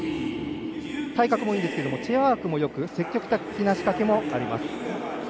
体格もいいですがチェアワークもよく積極的な仕掛けもあります。